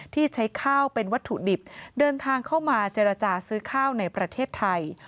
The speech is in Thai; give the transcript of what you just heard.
ที่ใช้ข้าวเป็นวัตถุดิบเดินทางเข้ามาเจรจาซื้อข้าวในประเทศไทย